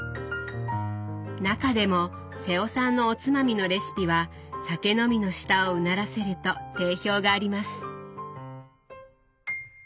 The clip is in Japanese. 中でも瀬尾さんのおつまみのレシピは酒飲みの舌をうならせると定評があります。